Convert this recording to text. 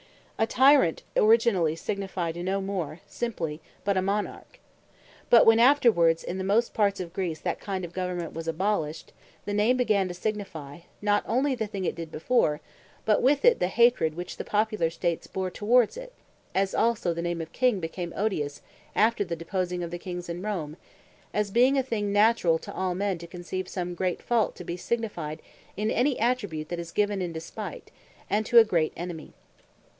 A Tyrant originally signified no more simply, but a Monarch: But when afterwards in most parts of Greece that kind of government was abolished, the name began to signifie, not onely the thing it did before, but with it, the hatred which the Popular States bare towards it: As also the name of King became odious after the deposing of the Kings in Rome, as being a thing naturall to all men, to conceive some great Fault to be signified in any Attribute, that is given in despight, and to a great Enemy.